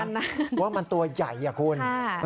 แต่เราก็เห็นว่ามันตัวใหญ่อ่ะคุณ